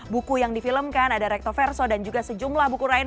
buku yang difilmkan ada recto verso dan juga sejumlah buku lain